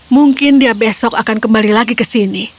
mungkin dia besok akan kembali lagi ke sini